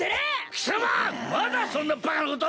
貴様まだそんなバカなことを！